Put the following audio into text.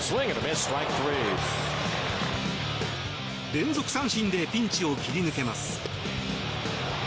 連続三振でピンチを切り抜けます。